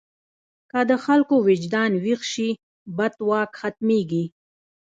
که د خلکو وجدان ویښ شي، بد واک ختمېږي.